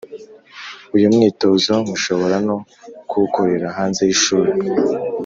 Uyu mwitozo mushobora no kuwukorera hanze y'ishuri